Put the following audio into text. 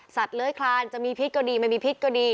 เลื้อยคลานจะมีพิษก็ดีไม่มีพิษก็ดี